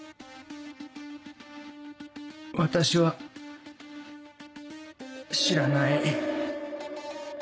私は知らない。